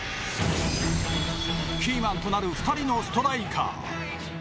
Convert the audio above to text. キーマンとなる２人のストライカー。